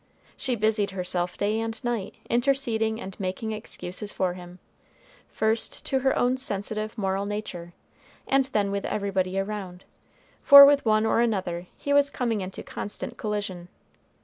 She busied herself day and night interceding and making excuses for him, first to her own sensitive moral nature, and then with everybody around, for with one or another he was coming into constant collision.